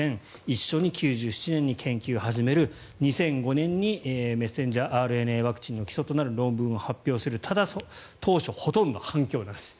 一緒に９７年に研究を始める２００５年にメッセンジャーＲＮＡワクチンの基礎となる論文を発表するただ、当初ほとんど反響なし。